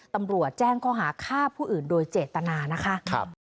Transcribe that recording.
ตำรวจแจ้งข้อหาฆ่าผู้อื่นโดยเจตนานะคะ